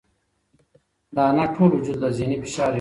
د انا ټول وجود له ذهني فشاره رېږدېده.